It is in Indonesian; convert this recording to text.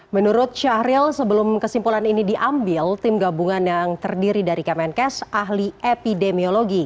menurut syahril sebelum kesimpulan ini diambil tim gabungan yang terdiri dari kemenkes ahli epidemiologi